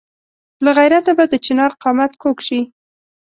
له غیرته به د چنار قامت کږ شي.